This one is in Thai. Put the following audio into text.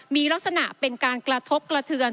มีลักษณะเป็นการกระทบกระเทือน